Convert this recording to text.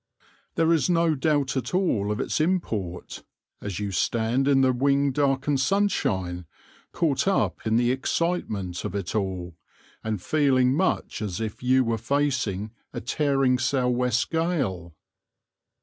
There is no doubt at all of its import, as you stand in the wing darkened sunshine, caught up in the excitement of it all, and feeling much as if you were facing a tearing sou' west gale.